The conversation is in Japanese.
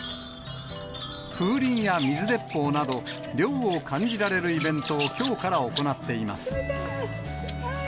風鈴や水鉄砲など、涼を感じられるイベントをきょうから行っています。